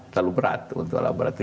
terlalu berat untuk alat berat itu